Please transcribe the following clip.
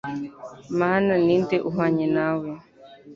Mana ni nde uhwanye nawe?